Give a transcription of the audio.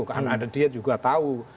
karena dia juga tahu